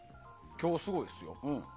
今日、すごいですよ。